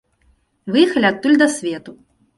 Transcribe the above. Выехалі адтуль да свету.